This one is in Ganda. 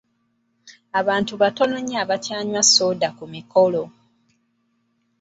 Abantu batono nnyo abakyannywa sooda ku mikolo.